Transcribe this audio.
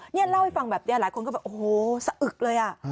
นี่เล่าให้ฟังแบบนี้หลายคนก็แบบโอ้โหสะอึกเลยอ่ะ